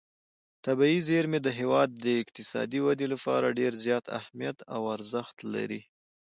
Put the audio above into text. طبیعي زیرمې د هېواد د اقتصادي ودې لپاره ډېر زیات اهمیت او ارزښت لري.